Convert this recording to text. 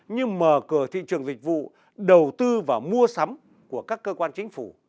như mở cửa thị trường dịch vụ đầu tư và mua sắm của các cơ quan chính phủ